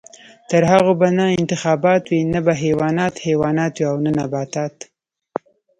تر هغو به نه انتخابات وي، نه به حیوانات حیوانات وي او نه نباتات.